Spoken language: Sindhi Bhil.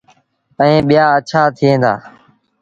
ائيٚݩ ٻيٚآ اَڇآ ٿئيٚݩ دآ۔